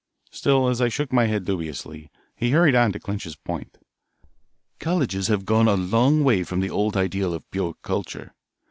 Still, as I shook my head dubiously, he hurried on to clinch his point. "Colleges have gone a long way from the old ideal of pure culture.